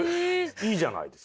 いいじゃないですか。